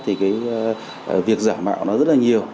thì cái việc giả mạo nó rất là nhiều